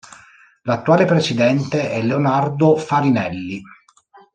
L'attuale presidente è Leonardo Farinelli.